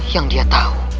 yang dia tahu